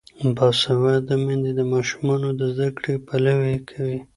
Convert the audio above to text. باسواده میندې د ماشومانو د زده کړې پلوي کوي.